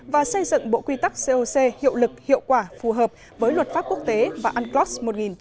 và xây dựng bộ quy tắc coc hiệu lực hiệu quả phù hợp với luật pháp quốc tế và unclos một nghìn chín trăm tám mươi hai